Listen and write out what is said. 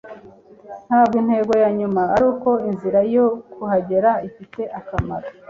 ntabwo intego yanyuma, ariko inzira yo kuhagera ifite akamaro